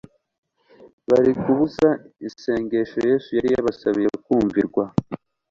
bari kubuza isengesho Yesu yari yabasabiye kumvirwa.